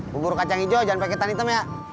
buat buruk kacang hijau jangan pakai tan hitam ya